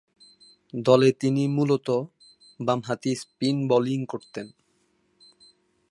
দলে তিনি মূলতঃ বামহাতি স্পিন বোলিং করতেন।